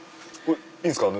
いいんすか？